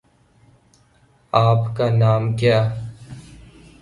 آپ کا نام کیا